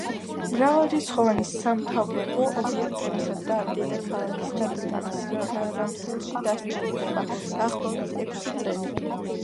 მრავალრიცხოვანი სამთავრობო ობიექტებისა და დედაქალაქის გადატანას რამსელში დასჭირდება დაახლოებით ექვსი წელი.